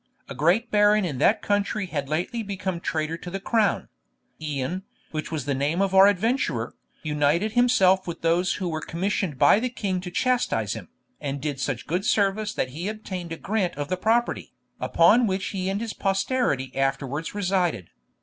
A great baron in that country had lately become traitor to the crown; Ian, which was the name of our adventurer, united himself with those who were commissioned by the king to chastise him, and did such good service that he obtained a grant of the property, upon which he and his posterity afterwards resided.